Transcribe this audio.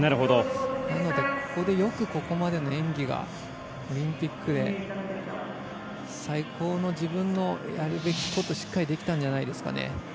なので、ここでよくここまでの演技がオリンピックで最高の自分のやるべきことがしっかりできたんじゃないですか。